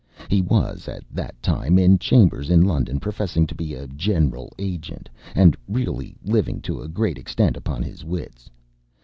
He was, at that time, in chambers in London, professing to be a general agent, and really living, to a great extent, upon his wits.